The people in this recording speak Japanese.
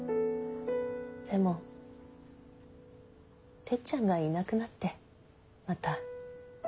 でもてっちゃんがいなくなってまた。